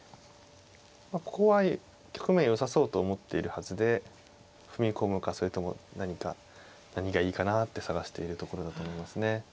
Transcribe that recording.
ここは局面よさそうと思っているはずで踏み込むかそれとも何か何がいいかなって探しているところだと思いますね。